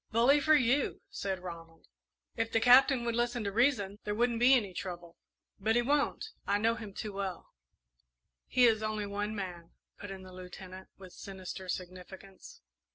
"Bully for you!" said Ronald. "If the Captain would listen to reason, there wouldn't be any trouble; but he won't I know him too well." "He is only one man," put in the Lieutenant, with sinister significance.